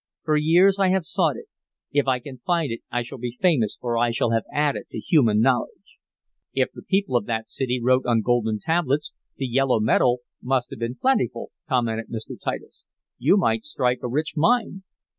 "For years I have sought it. If I can find it I shall be famous, for I shall have added to human knowledge." "If the people of that city wrote on golden tablets, the yellow metal must have been plentiful," commented Mr. Titus. "You might strike a rich mine."